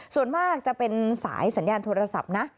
ส่วนมากจะเป็นสายสัญญาณโทรศัพท์นะ